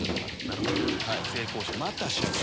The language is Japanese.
また社長！